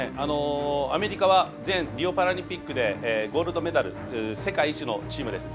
アメリカは前リオパラリンピックでゴールドメダル世界１位のチームです。